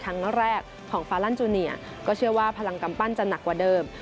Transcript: ครั้งแรกของฟาลันจูเนียก็เชื่อว่าพลังกำปั้นจะหนักกว่าเดิม